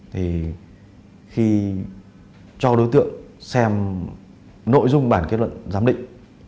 thì khi cho đối tượng xem nội dung bản kết luận giám định